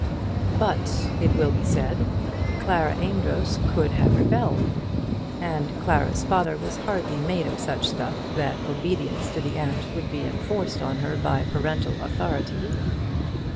But, it will be said, Clara Amedroz could have rebelled; and Clara's father was hardly made of such stuff that obedience to the aunt would be enforced on her by parental authority.